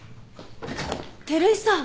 照井さん。